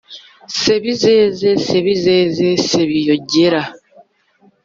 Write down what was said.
Sebizeze Sebizeze, Sebiyogera